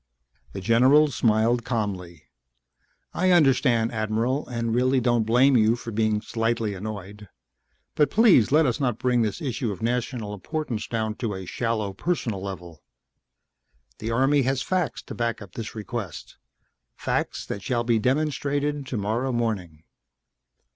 The general smiled calmly. "I understand, Admiral, and really don't blame you for being slightly annoyed. But, please let us not bring this issue of national importance down to a shallow personal level. The Army has facts to back up this request facts that shall be demonstrated tomorrow morning."